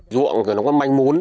ruộng thì nó có manh mún